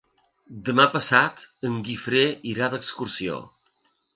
Demà passat en Guifré irà d'excursió.